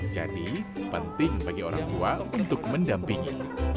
jadi penting bagi orang tua untuk mendampingi